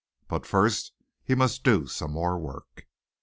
But first he must do some more work.